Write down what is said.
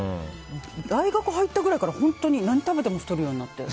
大学入ったぐらいから本当に何を食べても太るようになって。